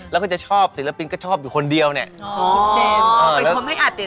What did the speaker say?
แล้วก็จะชอบศิลปินก็ชอบอยู่คนเดียวเงี้ย